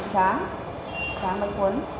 tráng bánh cuốn